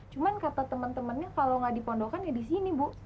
cuma kata teman temannya kalau nggak dipondokan ya di sini bu